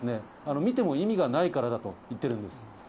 見ても意味がないからだと言っているんです。